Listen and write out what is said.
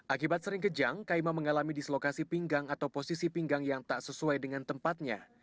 akibat sering kejang kaima mengalami dislokasi pinggang atau posisi pinggang yang tak sesuai dengan tempatnya